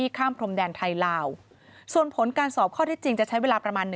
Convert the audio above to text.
บ้าเริ่มคงต้องกล้ามพรมแดนไทยลาวส่วนผลการสอบข้อที่จริงจะใช้เวลาประมาณ